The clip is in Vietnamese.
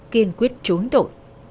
kiên quyết trốn tội